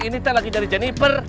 ini teh lagi jadi jennifer